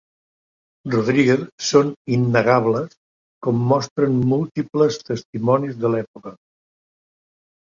Rodríguez són innegables com mostren múltiples testimonis de l'època.